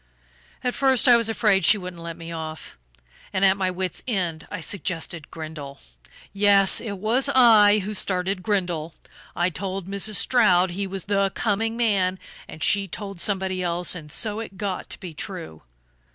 At first I was afraid she wouldn't let me off and at my wits' end I suggested Grindle. Yes, it was I who started Grindle: I told Mrs. Stroud he was the 'coming' man, and she told somebody else, and so it got to be true....